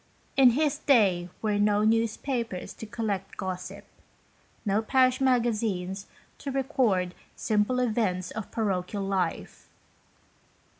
In his day were no newspapers to collect gossip, no Parish Magazines to record the simple events of parochial life.